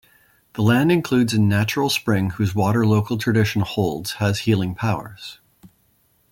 The land includes a natural spring whose water local tradition holds has healing powers.